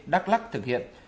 đắc lắc thực hiện